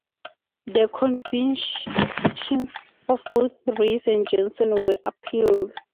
The convictions of both Reyes and Jensen were appealed.